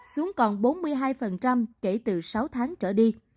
xuống còn bốn mươi hai kể từ sáu tháng trở đi